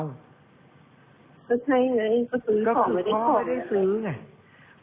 ก็ใช่ไงก็ซื้อของไม่ได้ของก็คือพ่อไม่ได้ซื้อไง